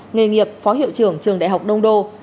nghề nghiệp phó hiệu trưởng trường đại học đông đô